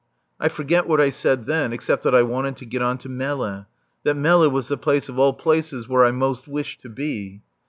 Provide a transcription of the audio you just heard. I forget what I said then except that I wanted to get on to Melle. That Melle was the place of all places where I most wished to be.